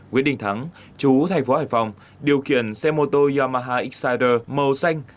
quyết định thắng chú thành phố hải phòng điều kiện xe mô tô yamaha exciter màu xanh